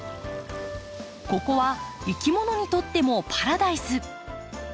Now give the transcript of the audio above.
ここはいきものにとってもパラダイス。